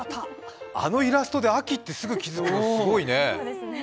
あのイラストで秋ってすぐ気付くのすごいね。